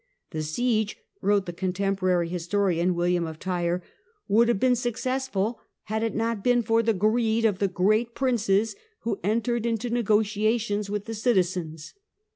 " The siege," wrote the con temporary historian William of Tyre, " would have been successful, had it not been for the greed of the great princes, who entered into negotiations with the citizens."